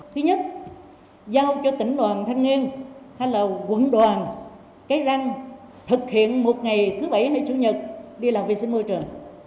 thứ nhất giao cho tỉnh đoàn thanh niên hay là quận đoàn cái răng thực hiện một ngày thứ bảy hay chủ nhật đi làm vệ sinh môi trường